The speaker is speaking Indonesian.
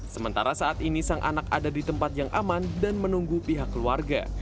sementara saat ini sang anak ada di tempat yang aman dan menunggu pihak keluarga